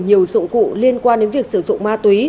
nhiều dụng cụ liên quan đến việc sử dụng ma túy